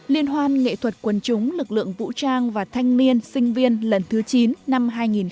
liên hoan nghệ thuật quân chúng lực lượng vũ trang và thanh niên sinh viên lần thứ chín năm hai nghìn một mươi chín